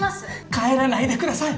帰らないでください！